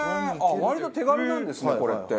割と手軽なんですねこれって。